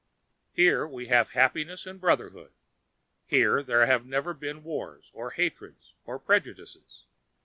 "Here we have happiness and brotherhood, here there have never been wars or hatreds or prejudices.